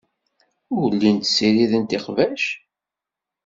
Ur llint ssirident iqbac.